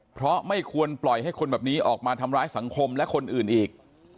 เพราะไม่ควรปล่อยให้คนแบบนี้ออกมาทำร้ายสังคมและคนอื่นอีก